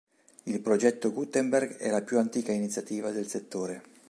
Il progetto Gutenberg è la più antica iniziativa del settore.